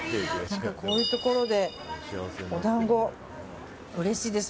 こういうところでお団子うれしいです。